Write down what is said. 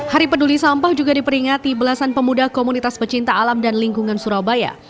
hari peduli sampah juga diperingati belasan pemuda komunitas pecinta alam dan lingkungan surabaya